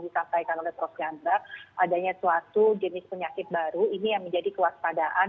disampaikan oleh prof chandra adanya suatu jenis penyakit baru ini yang menjadi kewaspadaan